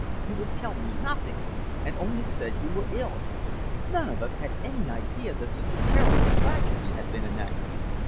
You would tell me nothing, and only said you were ill. None of us had any idea that such a terrible tragedy had been enacted.